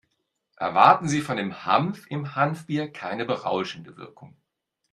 Erwarten Sie von dem Hanf im Hanfbier keine berauschende Wirkung.